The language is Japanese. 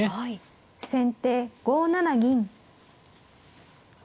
先手５七銀。